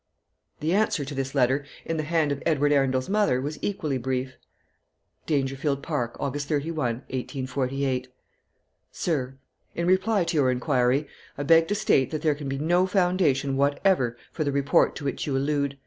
The answer to this letter, in the hand of Edward Arundel's mother, was equally brief: "Dangerfield Park, August 31, 1848. "SIR, In reply to your inquiry, I beg to state that there can be no foundation whatever for the report to which you allude.